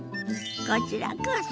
こちらこそ！